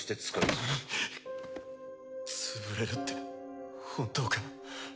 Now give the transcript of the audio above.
んっ潰れるって本当か？